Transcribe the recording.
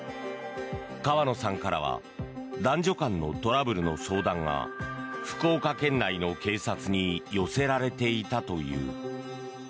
川野さんからは男女間のトラブルの相談が福岡県内の警察に寄せられていたという。